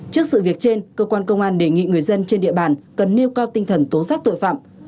trước sự việc trên cơ quan công an đề nghị người dân trên địa bàn cần nêu cao tinh thần tố giác tội phạm